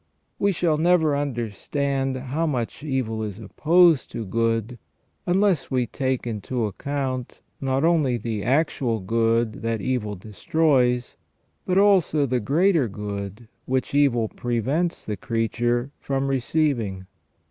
We shall never understand how much evil is opposed to good unless we take into account, not only the actual good that evil destroys, but also the greater good which evil prevents the creature from receiving.